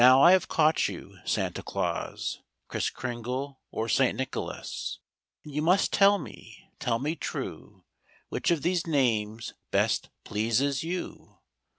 I have caught you Santa Claus, Kriss Kringle or St. Nicholas, And you must tell me, tell me true. Which of these names best pleases you'?